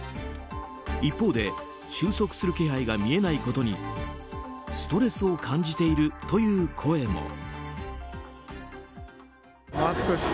一方で、収束する気配が見えないことにストレスを感じているという声も。